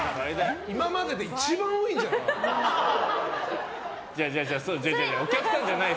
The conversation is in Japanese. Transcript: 今までで一番多いんじゃない？